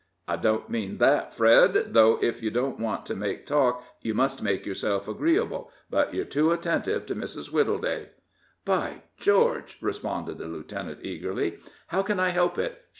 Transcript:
"I don't mean that, Fred, though, if you don't want to make talk, you must make yourself agreeable. But you're too attentive to Mrs. Wittleday." "By George," responded the lieutenant, eagerly, "how can I help it?